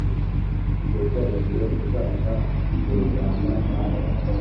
kugeza igihe uzaza kunjyana mana